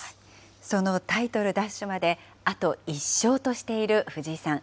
そのタイトル奪取まであと１勝としている藤井さん。